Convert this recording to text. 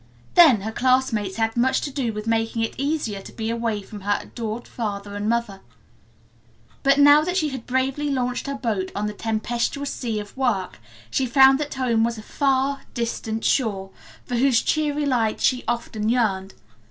Then, her classmates had much to do with making it easier to be away from her adored father and mother. But now that she had bravely launched her boat on the tempestuous sea of work, she found that home was a far distant shore, for whose cheery lights she often yearned.